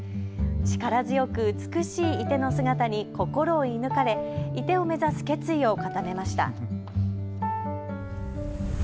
力強く美しい射手の姿に心を射ぬかれ射手を目指す決意を固めました。